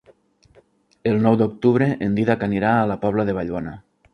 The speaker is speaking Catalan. El nou d'octubre en Dídac anirà a la Pobla de Vallbona.